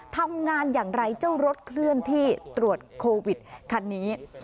ทำงานอย่างไรเจ้ารถเคลื่อนที่ตรวจโควิดคันนี้